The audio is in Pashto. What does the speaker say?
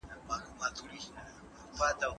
لويې بریاوي یوازي په استعداد پوري نه سي تړل کېدلای.